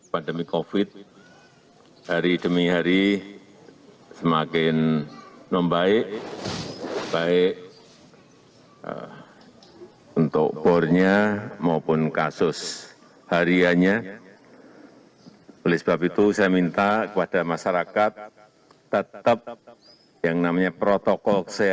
presiden jokowi mengatakan situasi pandemi covid sembilan belas kian membaik setiap hari